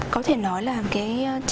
có thể nói là cái